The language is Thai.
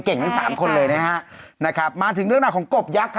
เก่งทั้งสามคนเลยนะฮะนะครับมาถึงเรื่องหนักของกรบยักษ์ครับ